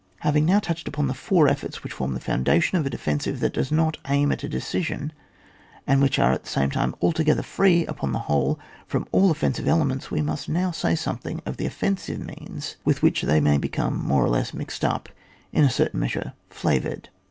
Having now touched upon the four efforts which form the foundation of a defensive that does not aim at a diCtMn, and which are at the same time, alto gether free upon the whole from all offensive elements, we must now say something of the offensive means with which they may become more or leas mixed up, in a certain measiure flavoured.